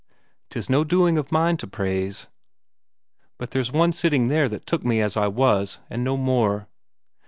"'Tis no doing of mine to praise. But there's one sitting there that took me as I was and no more."